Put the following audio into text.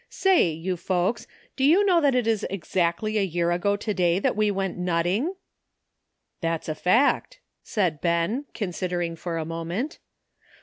"Say, you folks, do you know that it is exactly a year ago to day that we went nutting? " "That's a fact," said Ben, considering for a moment.